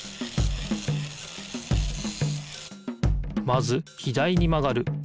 まず左にまがる。